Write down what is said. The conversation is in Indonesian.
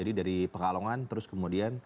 di pekalongan terus kemudian